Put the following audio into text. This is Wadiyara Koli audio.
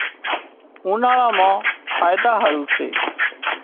اُوناۯا مان فائيدا هارو سي